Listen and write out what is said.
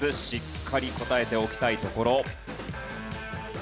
しっかり答えておきたいところ。